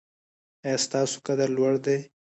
ایا ستاسو قد لوړ دی؟